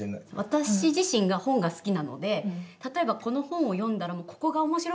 私自身が本が好きなので例えばこの本を読んだら「ここが面白かったんだよ